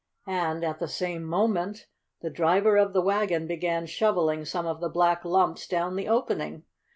And, at the same moment, the driver of the wagon began shoveling some of the black lumps down the opening.